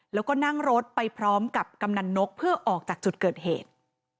แล้วก็นั่งรถไปพร้อมกับกำนันนกเพื่อออกจากจุดเกิดเหตุ